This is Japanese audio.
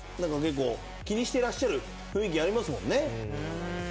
気にしてらっしゃる雰囲気ありますもんね。